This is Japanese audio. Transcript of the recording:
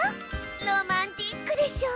ロマンティックでしょう？